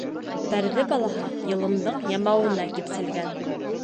Бәрҙе Балаһы йылымдың ямауына кипсәлгән.